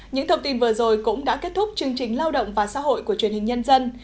những thông tin vừa rồi cũng đã kết thúc chương trình lao động và xã hội của truyền hình nhân dân